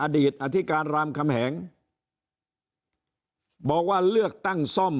อดีตอธิการรามคำแหงบอกว่าเลือกตั้งซ่อม